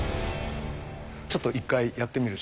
ちょっと一回やってみます。